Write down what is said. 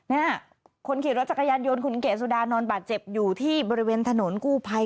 เนี่ยคนขี่รถจักรยานยนต์คุณเกดสุดานอนบาดเจ็บอยู่ที่บริเวณถนนกู้ภัย